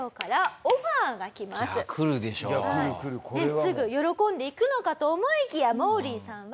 すぐ喜んで行くのかと思いきやモーリーさんは。